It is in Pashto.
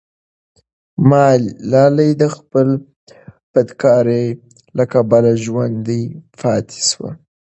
ملالۍ د خپل فداکارۍ له کبله ژوندی پاتې سوه.